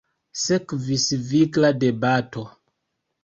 Sekvis vigla debato.